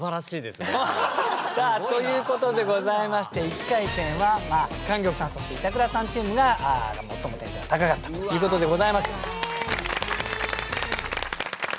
さあということでございまして一回戦は莟玉さんそして板倉さんチームが最も点数が高かったということでございました。